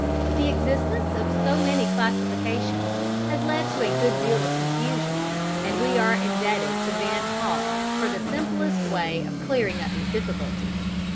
The existence of so many classifications has led to a good deal of confusion, and we are indebted to Van Hall for the simplest way of clearing up these difficulties.